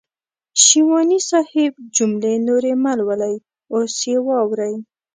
شېواني صاحب جملې نورې مهلولئ اوس يې واورئ.